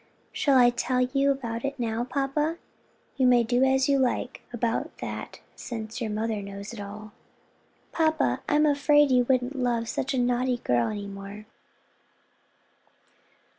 "Shall I tell you about it now, papa?" "You may do as you like about that since your mother knows it all." "Papa, I'm afraid you wouldn't love such a naughty girl any more."